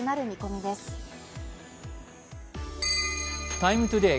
「ＴＩＭＥ，ＴＯＤＡＹ」